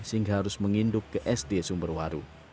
sehingga harus menginduk ke sd sumberwaru